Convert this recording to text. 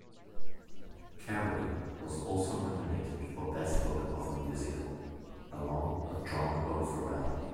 Karey was also nominated for Best Book of a Musical along with John O'Farrell.